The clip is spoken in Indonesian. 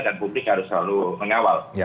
dan publik harus selalu mengawal